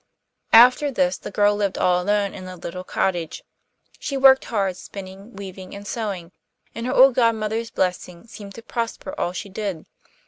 After this the girl lived all alone in the little cottage. She worked hard, spinning, weaving, and sewing, and her old godmother's blessing seemed to prosper all she did.